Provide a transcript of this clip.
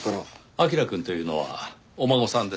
彬くんというのはお孫さんですか？